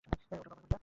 ওটা বাবার ঘড়িটা?